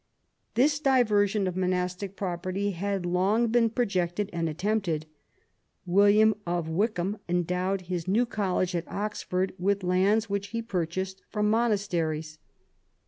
J This diversion of monastic property had long been projected and attempted. William of Wykeham endowed his New College at Oxford with lands which he purchased from monasteries.